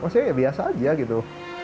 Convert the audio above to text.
maksudnya ya biasa aja gitu